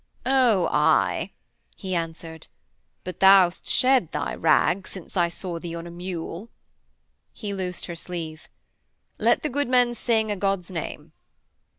'Oh, aye!' he answered. 'But thou'st shed thy rags since I saw thee on a mule.' He loosed her sleeve. 'Let the good men sing, 'a God's name.'